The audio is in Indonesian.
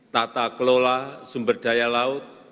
tata kelola sumber daya laut